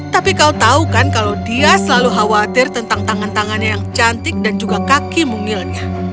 tapi kau tahu kan kalau dia selalu khawatir tentang tangan tangannya yang cantik dan juga kaki mungilnya